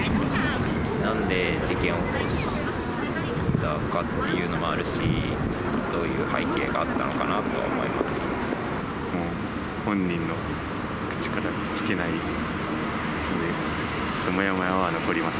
なんで事件を起こしたかっていうのもあるし、どういう背景があったのかなと思います。